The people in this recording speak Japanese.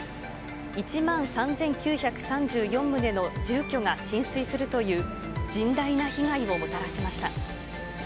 １万３９３４棟の住居が浸水するという、甚大な被害をもたらしました。